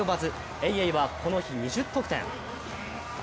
エイエイはこの日２０得点。